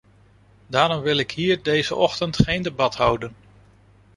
Daarom wil ik hier deze ochtend geen debat houden.